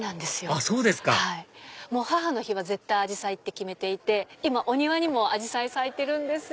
あっそうですか母の日は絶対アジサイって決めていて今お庭にも咲いてるんですよ。